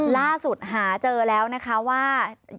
ล่าสุดหาเจอแล้วนะคะว่า